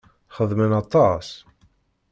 Yexdem aṭas.